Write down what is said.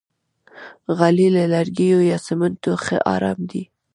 غالۍ له لرګیو یا سمنټو ښه آرام دي.